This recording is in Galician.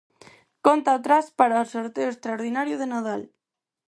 Conta atrás para o sorteo extraordinario de Nadal.